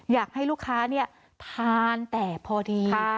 อยากให้ลูกค้าทานแต่พอดี